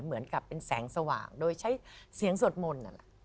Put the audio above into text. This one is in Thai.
เหมือนกับเป็นแสงสว่างโดยใช้เสียงสวดมนต์นั่นแหละ